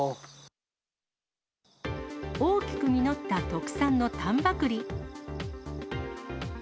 大きく実った特産の丹波くり。